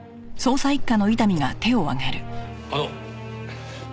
あの。